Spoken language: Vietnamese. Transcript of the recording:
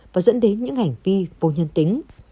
và dẫn đến những hành vi vô nhân tính